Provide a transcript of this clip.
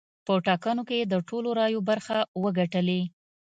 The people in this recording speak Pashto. په ټاکنو کې یې د ټولو رایو برخه وګټلې.